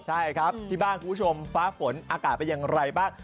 ใช่ครับที่บ้านคุณผู้ชมฟ้าฝนอากาศเป็นอย่างไรบ้าง